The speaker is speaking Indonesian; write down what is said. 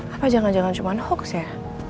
apa jangan jangan cuma hoax ya